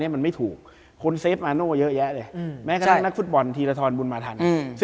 เพราะฉะนั้นครอดไว้